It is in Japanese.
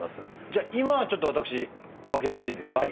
じゃあ今はちょっと私脇腹でいいですか？